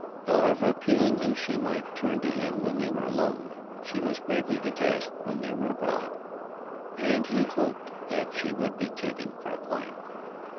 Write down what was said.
However appealingly she might turn to him when they were alone, she was gravely detached when they were abroad, and he hoped that she would be taken for a client.